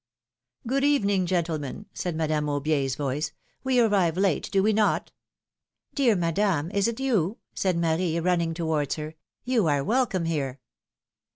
^^Good evening, gentlemen,'^ said Madame Aubier's voice. We arrive late, do we not?^^ ^^Dear Madame, is it you?^^ said Marie, running towards her. You are welcome here